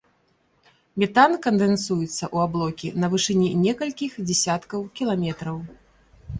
Метан кандэнсуецца ў аблокі на вышыні некалькіх дзесяткаў кіламетраў.